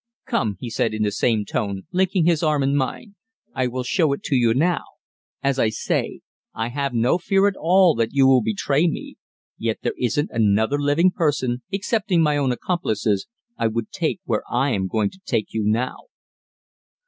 "Come," he said in the same tone, linking his arm in mine. "I will show it to you now. As I say, I have no fear at all that you will betray me, yet there isn't another living person, excepting my own accomplices, I would take where I am going to take you now."